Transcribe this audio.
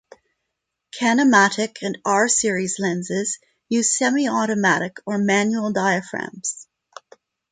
Canomatic and R-series lenses use semi-automatic or manual diaphragms.